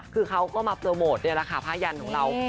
คือเขาก็มาโปรโมทภาญญัณของเรา